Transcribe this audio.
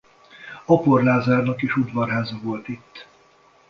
Apor Lázárnak is udvarháza volt itt.